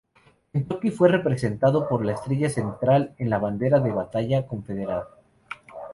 Kentucky fue representado por la estrella central en la bandera de batalla confederada.